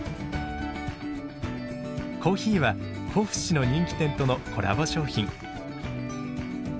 コーヒーは甲府市の人気店とのコラボ商品。